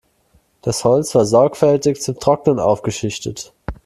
Das Holz war sorgfältig zum Trocknen aufgeschichtet.